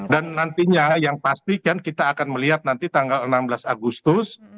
dan nantinya yang pasti kan kita akan melihat nanti tanggal enam belas agustus